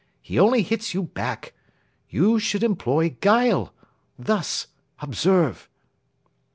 He only hits you back. You should employ guile. Thus. Observe."